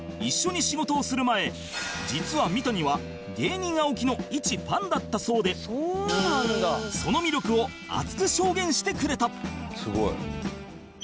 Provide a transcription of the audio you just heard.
一緒に仕事をする前実は三谷は芸人青木のいちファンだったそうでその魅力を熱く証言してくれた